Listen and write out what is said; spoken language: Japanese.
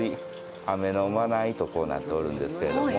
天之真名井とこうなっておるんですけれども。